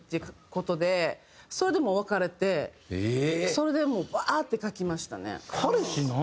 それでもうバーッて書きましたね。